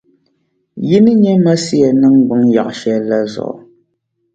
yi ni nyɛ Masia niŋgbuŋ yaɣ’ shɛl’ la zuɣu.